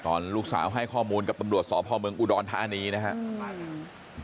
ลูกสาวให้ข้อมูลกับตำรวจสพเมืองอุดรธานีนะครับ